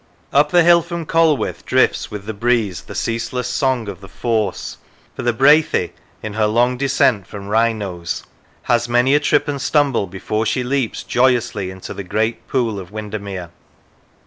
Up the hill from Colwith drifts with the breeze the ceaseless song of the Force, for the Brathay, in her long descent from Wrynose, has many a trip and stumble before she leaps joyously into the great pool of Windermere.